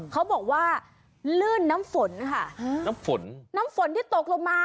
เขาบอกว่าลื่นน้ำฝนค่ะน้ำฝนน้ำฝนที่ตกลงมา